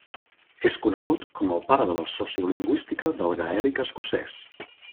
És conegut com el pare de la sociolingüística del gaèlic escocès.